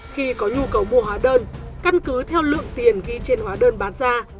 khi có nhu cầu mua hóa đơn căn cứ theo lượng tiền ghi trên hóa đơn bán ra